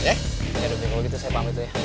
ya udah be kalau gitu saya pamit dulu ya